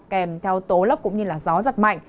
kèm theo tố lóc cũng như là gió giật mạnh